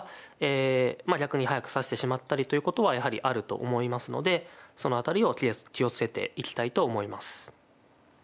逆に速く指してしまったりということはやはりあると思いますのでその辺りを気を付けていきたいと思います。